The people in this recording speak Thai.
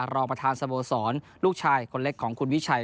รองประธานสโมสรลูกชายคนเล็กของคุณวิชัย